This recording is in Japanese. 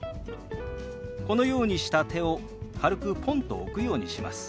このようにした手を軽くポンと置くようにします。